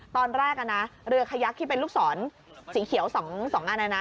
ตอนแรกอ่ะนะเรือขยักที่เป็นลูกศรสีเขียวสองสองอันอ่ะนะ